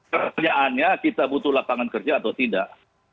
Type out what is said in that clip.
pertanyaannya kita butuh lapangan kerja atau tidak